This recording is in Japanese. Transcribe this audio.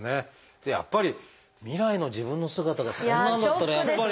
でやっぱり未来の自分の姿がこんなんだったらやっぱり。